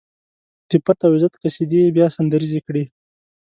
د پت او عزت قصيدې يې بيا سندريزې کړې.